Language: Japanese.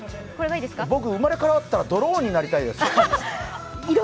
僕、生まれ変わったらドローンになりたいです。